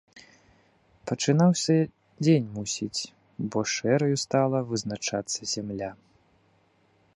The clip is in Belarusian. Пачынаўся дзень, мусіць, бо шэраю стала вызначацца зямля.